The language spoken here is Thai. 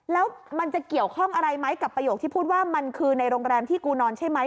แล้วมันจะเกี่ยวข้องอะไรไหมกับประโยคที่พูดว่ามันคือในโรงแรมที่กูนอนใช่ไหม